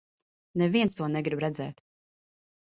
Neviens to negrib redzēt.